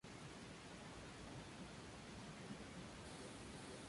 Habita en matorrales xerófilos sobre suelos de origen volcánico.